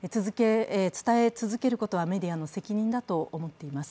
伝え続けることはメディアの責任だと思っています。